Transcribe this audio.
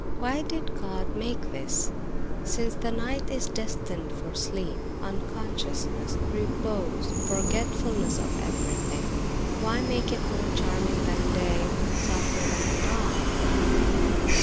"Why did God make this? Since the night is destined for sleep, unconsciousness, repose, forgetfulness of everything, why make it more charming than day, softer than dawn or evening?